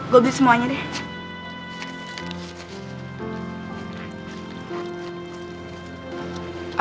gue beli semuanya deh